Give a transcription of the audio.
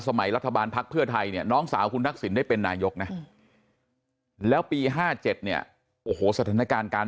รัฐบาลภักดิ์เพื่อไทยเนี่ยน้องสาวคุณทักษิณได้เป็นนายกนะแล้วปี๕๗เนี่ยโอ้โหสถานการณ์การ